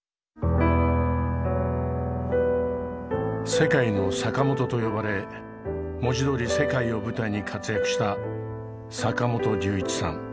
「世界のサカモト」と呼ばれ文字どおり世界を舞台に活躍した坂本龍一さん。